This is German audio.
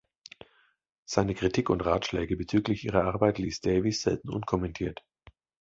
Seine Kritik und Ratschläge bezüglich ihrer Arbeit ließ Davis selten unkommentiert.